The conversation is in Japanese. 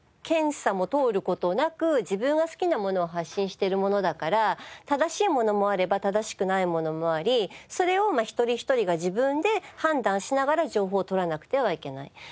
検査も通る事なく自分が好きなものを発信してるものだから正しいものもあれば正しくないものもありそれを一人一人が自分で判断しながら情報を取らなくてはいけない。